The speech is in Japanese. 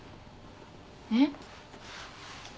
えっ？